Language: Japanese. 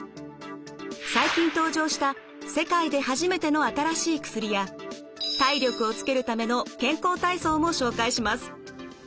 最近登場した世界で初めての新しい薬や体力をつけるための健康体操も紹介します。